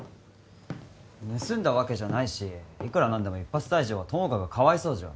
盗んだわけじゃないしいくら何でも一発退場は朋香がかわいそうじゃ。